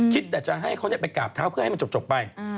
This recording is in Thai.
คิดแต่จะให้เขาไปกราบเท้าเพื่อให้มันจบไป